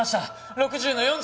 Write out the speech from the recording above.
６０の４０！